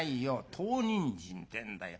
唐人参ってんだよ。